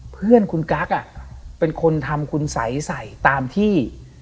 เพื่อนคุณกั๊กเป็นคนทำคุณสัยใส่ตามที่